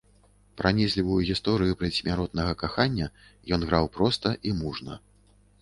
Пранізлівую гісторыю перадсмяротнага кахання ён граў проста і мужна.